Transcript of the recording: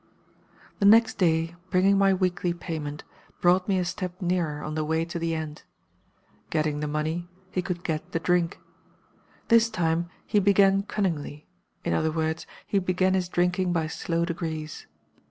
"The next day, bringing my weekly payment, brought me a step nearer on the way to the end. Getting the money, he could get the drink. This time he began cunningly in other words, he began his drinking by slow degrees.